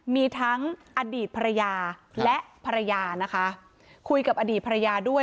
มีทั้งอดีตภรรยาและภรรยานะคะคุยกับอดีตภรรยาด้วย